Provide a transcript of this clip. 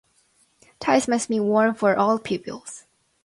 Ties must be worn for all pupils.